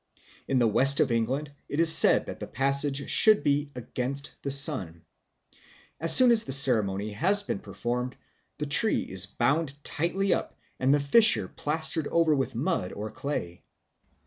In the West of England it is said that the passage should be "against the sun." As soon as the ceremony has been performed, the tree is bound tightly up and the fissure plastered over with mud or clay.